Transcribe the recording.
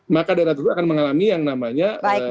maka daerah tersebut akan mengalami yang namanya